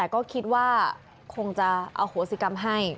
ก็คิดว่าคงจะอโหสิกรรมให้